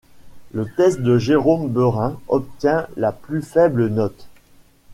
Le test de Jérôme Berin obtient la plus faible note.